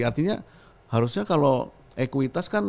artinya harusnya kalau ekuitas kan